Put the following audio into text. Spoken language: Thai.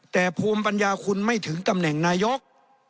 แต่ภูมิปัญญาคุณไม่ถึงตำแหน่งนายก